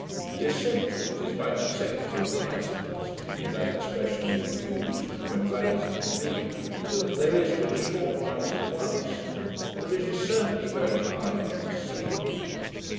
The ascent to it is by consecutive risings, if that expression may be used when vallies intervene, so that there is but a short rise at once; but it is certainly very high above the sea.